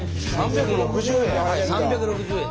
３６０円！